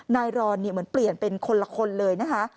รอนเหมือนเปลี่ยนเป็นคนละคนเลยนะคะ